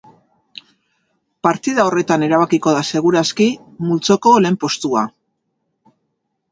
Partida horretan erabakiko da seguraski multzoko lehen postua.